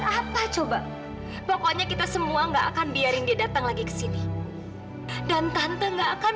apa coba pokoknya kita semua nggak akan biarin dia datang lagi ke sini dan tante nggak akan